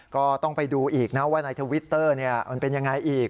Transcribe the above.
ก็ต้องไปดูอีกนะว่าในทวิตเตอร์มันเป็นยังไงอีก